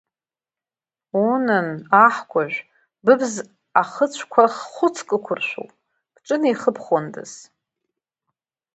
Унан, аҳкәажә, быбз ахыцәқәа хәыцк ықәыршәуп, бҿы неихыбхуандаз!